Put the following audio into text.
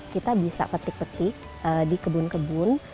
kita bisa petik petik di kebun kebun